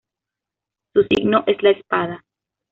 Su signo es la espada.